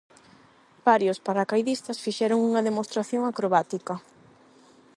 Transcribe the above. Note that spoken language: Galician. Varios paracaidistas fixeron unha demostración acrobática.